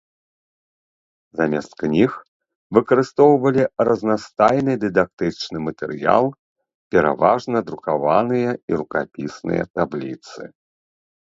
Замест кніг выкарыстоўвалі разнастайны дыдактычны матэрыял, пераважна друкаваныя і рукапісныя табліцы.